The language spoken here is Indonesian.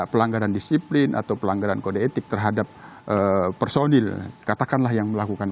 pelanggaran disiplin atau pelanggaran kode etik terhadap personil katakanlah yang melakukan